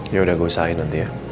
ya udah gue usahain nanti ya